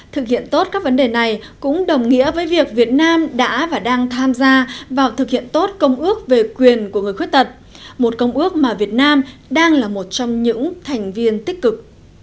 thực hiện tốt các vấn đề này cũng đồng nghĩa với việc việt nam đã và đang tham gia vào thực hiện tốt công ước về quyền của người khuyết tật một công ước mà việt nam đang là một trong những thành viên tích cực